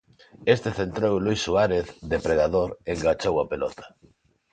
Este centrou e Luís Suárez, depredador, enganchou a pelota.